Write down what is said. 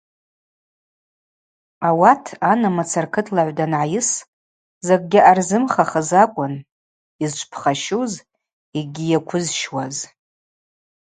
Ауат анамыца ркытлагӏв дангӏайыс закӏгьи ъарзымхахыз акӏвын йызчвпхащуз йгьи йаквызщуаз.